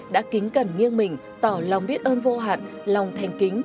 đã kính cẩn nghiêng mình tỏ lòng biết ơn vô hạn lòng thành kính